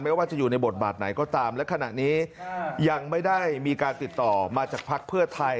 ว่าจะอยู่ในบทบาทไหนก็ตามและขณะนี้ยังไม่ได้มีการติดต่อมาจากภักดิ์เพื่อไทย